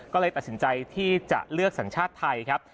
ก็เลยตัดสินใจที่จะเลือกสัญชาติไทยครับ